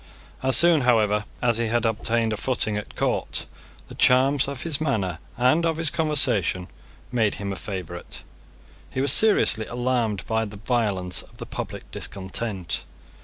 As soon, however, as he had obtained a footing at court, the charms of his manner and of his conversation made him a favourite. He was seriously alarmed by the violence of the public discontent.